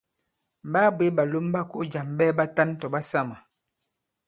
M̀ ɓaa bwě ɓàlom ɓa ko jàm ɓɛɛ ɓatan tɔ̀ ɓasamà.